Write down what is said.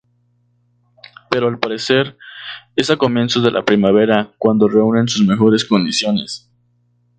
Pero al parecer, es a comienzos de la primavera cuando reúnen sus mejores condiciones.